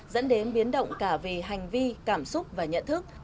dẫn đến biến động cả về hành vi cảm xúc và nhận thức